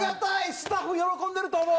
スタッフ喜んでると思う。